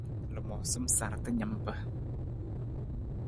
Lamoosam sarta nimpa.